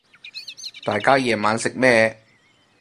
大家夜晚食咩